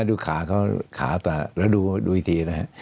ดูขาเขาขาตัดแล้วดูอีกทีนะฮะ